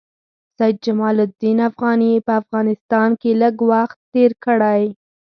سید جمال الدین افغاني په افغانستان کې لږ وخت تېر کړی.